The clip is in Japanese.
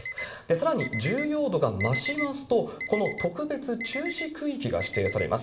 さらに、重要度が増しますと、この特別注視区域が指定されます。